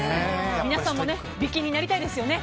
皆さんも美筋になりたいですよね。